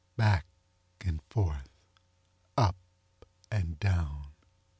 Back and forth—up and down.